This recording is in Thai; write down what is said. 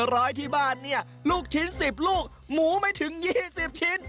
ร้อยที่บ้านเนี่ยลูกชิ้น๑๐ลูกหมูไม่ถึง๒๐ชิ้น